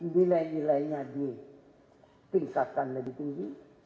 nilai nilainya ditingkatkan lebih tinggi